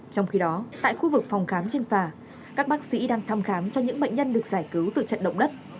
trong khi đó tại khu vực phòng khám trên phà các bác sĩ đang thăm khám cho những bệnh nhân được giải cứu từ trận động đất